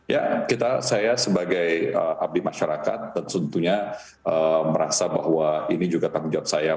ya saya sebagai abdi masyarakat tentunya merasa bahwa ini juga tanggung jawab saya